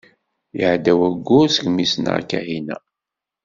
Iɛedda wayyur segmi i ssneɣ Kahina.